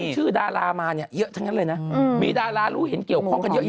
แชร์เด็กฟอเรก